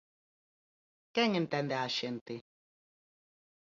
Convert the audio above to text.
¿Quen entende á xente?